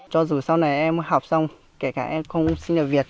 cho dù sau này em học xong kể cả em không sinh nhập việt